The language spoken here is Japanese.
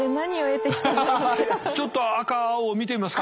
ちょっと赤青見てみますか。